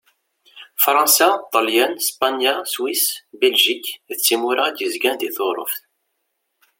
Fṛansa, Ṭelyan, Spanya, Swis, Biljik d timura i d-yerzan di Turuft.